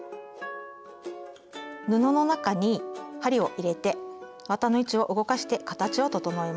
布の中に針を入れて綿の位置を動かして形を整えます。